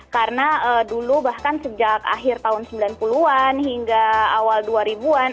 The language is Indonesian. karena dulu bahkan sejak akhir tahun sembilan puluh an hingga awal dua ribu an